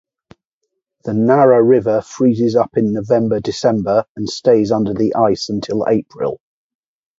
The Nara River freezes up in November-December and stays under the ice until April.